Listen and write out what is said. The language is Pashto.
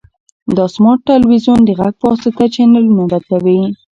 دا سمارټ تلویزیون د غږ په واسطه چینلونه بدلوي.